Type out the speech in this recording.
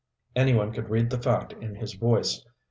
Any one could read the fact in his voice.